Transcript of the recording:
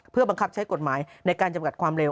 เพื่อบังคับใช้กฎหมายในการจำกัดความเร็ว